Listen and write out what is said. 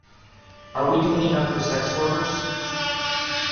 Are we doing enough for sex workers?